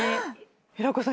平子さん。